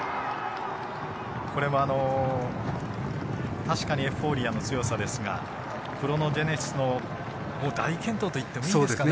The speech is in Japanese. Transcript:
これも確かにエフフォーリアの強さですがクロノジェネシスの大健闘といってもいいでしょうかね。